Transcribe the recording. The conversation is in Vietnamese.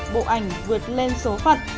bộ ảnh vượt lên số phật